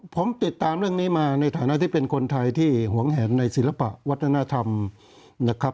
ผมติดตามเรื่องนี้มาในฐานะที่เป็นคนไทยที่หวงแหนในศิลปะวัฒนธรรมนะครับ